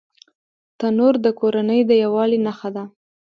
تنور د کورنۍ د یووالي نښه ده